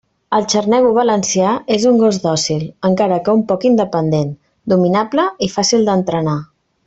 El xarnego valencià és un gos dòcil, encara que un poc independent, dominable i fàcil d'entrenar.